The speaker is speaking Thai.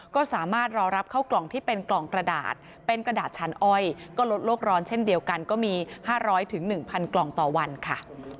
ก็สามารถรอรับเข้ากล่องที่เป็นกล่องกระดาษเป็นกระดาษชันอ้อยก็ลดโลกร้อนเช่นเดียวกันก็มี๕๐๐๑๐๐กล่องต่อวันค่ะ